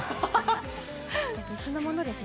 別のものですね。